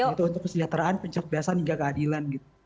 yaitu untuk kesejahteraan pencerdasan hingga keadilan